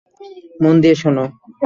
মন দিয়ে শোনো।